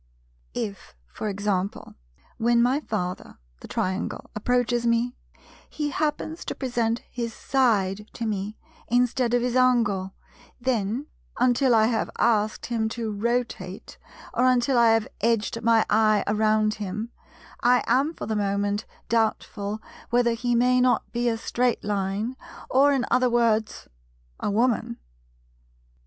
If for example, when my Father, the Triangle, approaches me, he happens to present his side to me instead of his angle, then, until I have asked him to rotate, or until I have edged my eye around him, I am for the moment doubtful whether he may not be a Straight Line, or, in other words, a Woman.